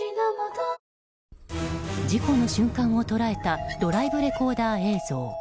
事故の瞬間を捉えたドライブレコーダー映像。